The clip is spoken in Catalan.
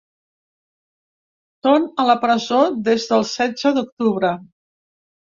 Són a la presó des del setze d’octubre.